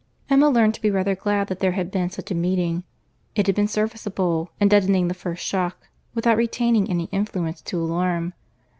Emma learned to be rather glad that there had been such a meeting. It had been serviceable in deadening the first shock, without retaining any influence to alarm.